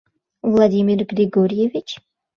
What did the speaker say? Владимир Григорьевич?!